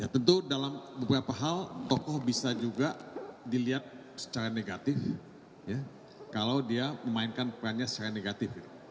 tentu dalam beberapa hal tokoh bisa juga dilihat secara negatif kalau dia memainkan perannya secara negatif